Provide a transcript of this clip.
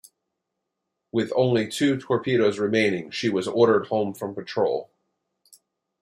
With only two torpedoes remaining, she was ordered home from patrol.